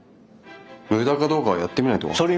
無駄かどうかはやってみないと分から。